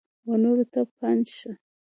ونورو ته پند شه !